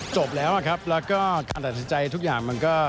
จบแล้วครับแล้วก็การตัดสินใจทุกอย่างมันก็